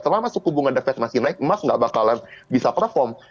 selama suku bunga devet masih naik emas gak bakalan bisa perform